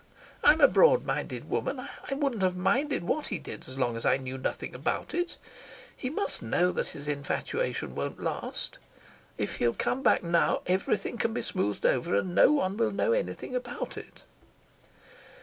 I'm a broadminded woman. I wouldn't have minded what he did as long as I knew nothing about it. He must know that his infatuation won't last. If he'll come back now everything can be smoothed over, and no one will know anything about it."